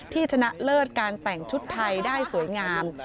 ชนะเลิศการแต่งชุดไทยได้สวยงาม